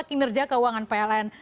makin reja keuangan pln